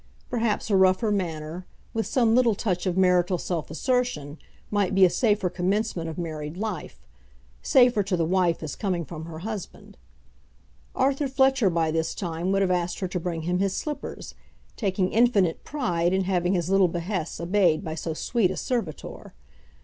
Perhaps a rougher manner, with some little touch of marital self assertion, might be a safer commencement of married life, safer to the wife as coming from her husband. Arthur Fletcher by this time would have asked her to bring him his slippers, taking infinite pride in having his little behests obeyed by so sweet a servitor.